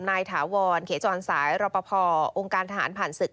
ถาวรเขจรสายรอปภองค์การทหารผ่านศึก